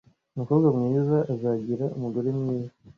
Umukobwa mwiza azagira umugore mwiza.